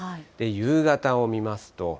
夕方を見ますと。